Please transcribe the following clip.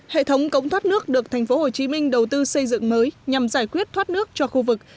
hệ thống cống thoát nước được tp hcm đầu tư xây dựng mới nhằm giải quyết thoát nước cho khu vực